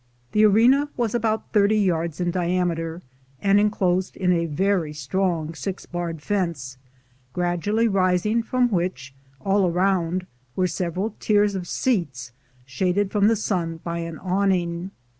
The arena was about thirty yards in diameter, and enclosed in a very strong six barred fence, gradually rising from which, all round, were several tiers of seats, shaded from the sun by an awning.